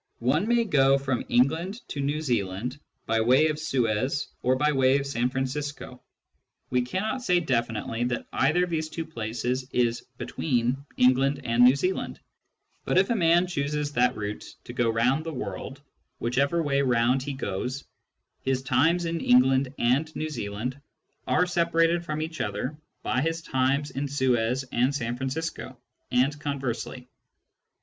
One may go from England to New Zealand by way of Suez or by way of San Francisco ; we cannot The Definition of Order 41 say definitely that either of these two places is " between " England and New Zealand. But if a man chooses that route to go round the world, whichever way round he goes, his times in England and New Zealand are separated from each other by his times in Suez and San Francisco, and conversely.